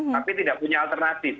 tapi tidak punya alternatif